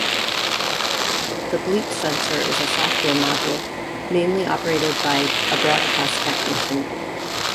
The bleep censor is a software module, manually operated by a broadcast technician.